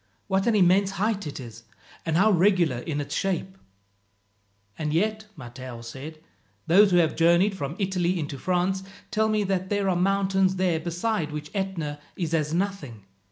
"What an immense height it is, and how regular in its shape!" "And yet," Matteo said, "those who have journeyed from Italy into France tell me that there are mountains there beside which Etna is as nothing.